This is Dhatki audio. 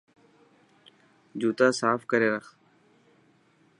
جوتا صاف ڪري رک.